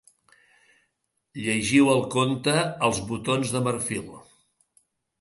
Llegiu el conte Els botons de marfil.